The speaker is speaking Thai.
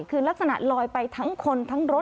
คือลักษณะลอยไปทั้งคนทั้งรถ